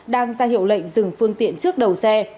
đang ra hiệu lệnh dừng phương tiện trước đầu xe